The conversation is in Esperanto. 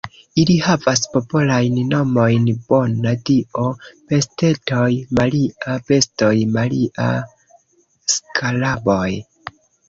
Ili havas popolajn nomojn: Bona-Dio-bestetoj, Maria-bestoj, Maria-skaraboj.